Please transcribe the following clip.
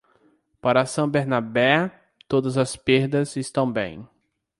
Para San Bernabé, todas as perdas estão bem.